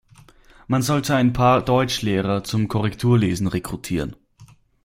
Man sollte ein paar Deutschlehrer zum Korrekturlesen rekrutieren.